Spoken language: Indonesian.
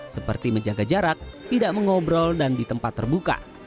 seperti menjaga jarak tidak mengobrol dan di tempat terbuka